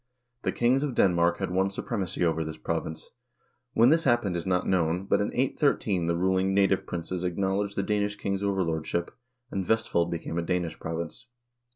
The kings of Denmark had won supremacy over this province. When this happened is not known, but in 813 the ruling native princes acknowledged the Danish king's overlordship, and Vestfold became a Danish province.